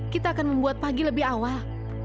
kita akan membuat pagi lebih awal